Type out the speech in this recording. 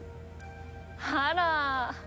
あら！